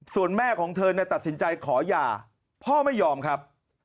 ส่วนแม่ของเธอตัดสินใจขอหย่าพ่อไม่ยอมครับ